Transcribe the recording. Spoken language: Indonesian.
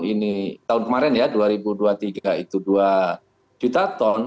ini tahun kemarin ya dua ribu dua puluh tiga itu dua juta ton